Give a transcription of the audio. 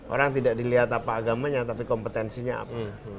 orang tidak dilihat apa agamanya tapi kompetensinya apa